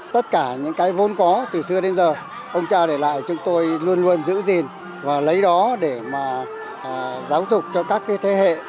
tất cả những cái vốn có từ xưa đến giờ ông cha để lại chúng tôi luôn luôn giữ gìn và lấy đó để mà giáo dục cho các cái thế hệ